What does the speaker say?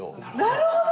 なるほど！